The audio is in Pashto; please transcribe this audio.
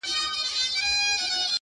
اوس مي لا په هر رگ كي خـوره نـــه ده،